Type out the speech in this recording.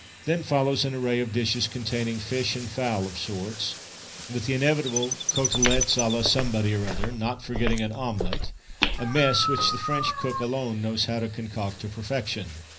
Then follows an array of dishes containing fish and fowl of sorts, with the inevitable côtelettes à la somebody or other, not forgetting an omelette a mess which the French cook alone knows how to concoct to perfection.